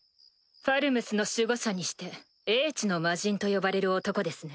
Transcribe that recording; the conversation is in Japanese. ファルムスの守護者にして叡智の魔人と呼ばれる男ですね。